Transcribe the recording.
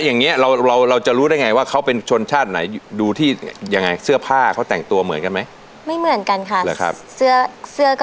น้องเพลงผู้ท้าชิงจากมุมน้ำเงิน